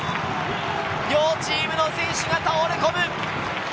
両チームの選手が倒れ込む！